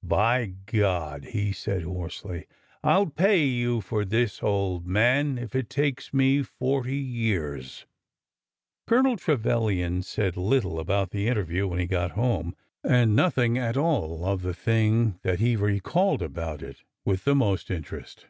" By God !'' he said hoarsely, '' I dl pay you for this, old man, if it takes me forty years !'' Colonel Trevilian said little about the interview when he got home, and nothing at all of the thing that he re called about it with the most interest.